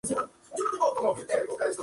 El actual ministro es Pablo Campana.